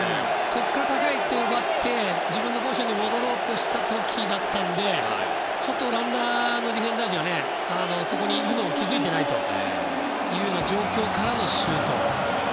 そこから高い位置で奪って自分の場所に戻ろうとした時だったのでちょっとオランダのディフェンダー陣はそこにいるのに気づいていないという状況からのシュート。